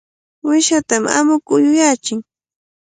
Uyshatam amuku uyuyachin.